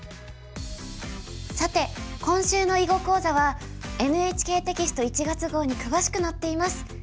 さて今週の囲碁講座はＮＨＫテキスト１月号に詳しく載っています。